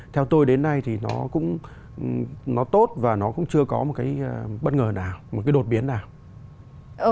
theo tôi đến nay thì nó cũng tốt và nó cũng chưa có một cái bất ngờ nào một cái đột biến nào